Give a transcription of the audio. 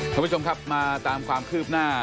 ท่านผู้ชมครับมาตามความคืบหน้า